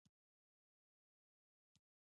جرګه د پښتنو دود دی